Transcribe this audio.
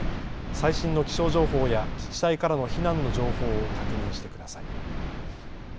最新の気象情報や自治体からの避難の情報を確認してください。